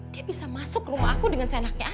dia bisa masuk ke rumah aku dengan senangnya aja